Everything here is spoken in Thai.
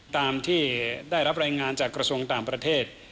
ตามที่ได้รับรายงานจากกระทรวงต่างประเทศ